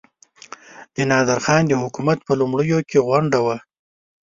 د نادرخان د حکومت په لومړیو کې غونډه وه.